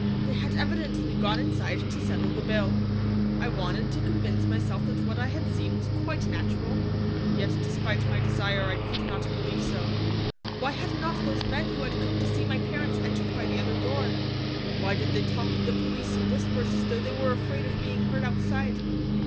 They had evidently gone inside to settle the bill. I wanted to convince myself that what I had seen was quite natural, yet despite my desire I could not believe so. Why had not these men who had come to see my parents entered by the other door? Why did they talk of the police in whispers as though they were afraid of being heard outside?